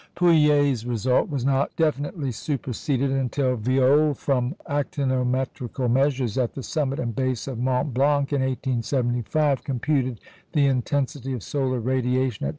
Pouillet's result was not definitely superseded until Violle, from actinometrical measures at the summit and base of Mont Blanc in 1875, computed the intensity of solar radiation at 2.